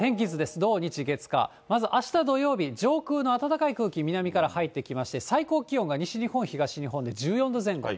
土日月火、まずあした土曜日、上空の暖かい空気、南から入ってきまして、最高気温が西日本、東日本で１４度前後。